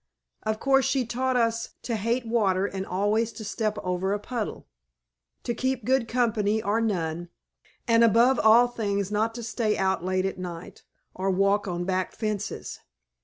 Of course she taught us to hate water and always to step over a puddle; to keep good company or none; and above all things not to stay out late at night, or walk on back fences.